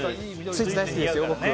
スイーツ大好きです、僕。